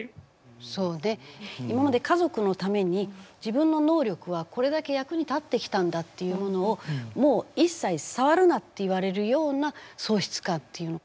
そうね今まで家族のために自分の能力はこれだけ役に立ってきたんだっていうものをもう一切触るなって言われるような喪失感っていうのかな。